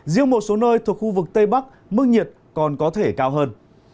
riêng một số nơi thuộc khu vực tây bắc mức nhiệt còn có thể cao hơn